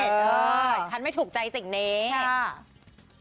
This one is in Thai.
เออฉันไม่ถูกใจสิ่งนี้ค่ะ